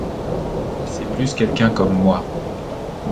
C'est plus quelqu'un comme moi.